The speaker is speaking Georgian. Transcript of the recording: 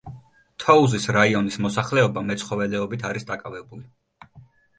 თოუზის რაიონის მოსახლეობა მეცხოველეობით არის დაკავებული.